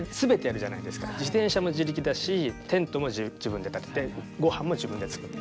自転車も自力だしテントも自分で立ててごはんも自分で作って。